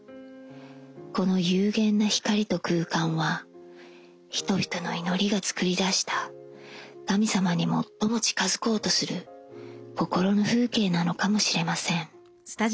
この幽玄な光と空間は人々の祈りが作り出した神様に最も近づこうとする心の風景なのかもしれません。